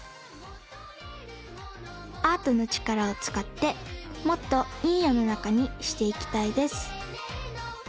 アートのちからをつかってもっといいよのなかにしていきたいです。